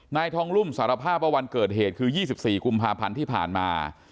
นายทองรุ่มสารภาพว่าวันเกิดเหตุคือ๒๔กุมภาพันธ์ที่ผ่านมา